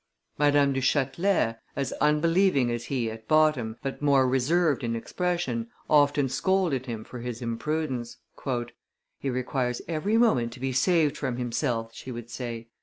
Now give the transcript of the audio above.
Madame du Chatelet, as unbelieving as he at bottom, but more reserved in expression, often scolded him for his imprudence. "He requires every moment to be saved from himself," she would say.